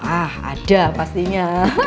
ah ada pastinya